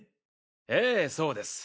ええそうです。